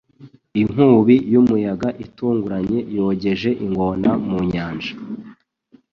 Inkubi y'umuyaga itunguranye yogeje ingona mu nyanja.